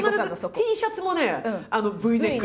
必ずＴシャツもねＶネック。